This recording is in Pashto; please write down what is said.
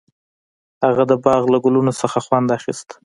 هغه د باغ له ګلونو څخه خوند اخیست.